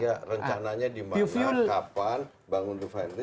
iya rencananya di mana kapan bangun refinery